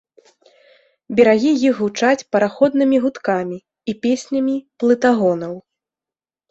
Берагі іх гучаць параходнымі гудкамі і песнямі плытагонаў.